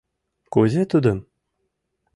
Кузе тудым?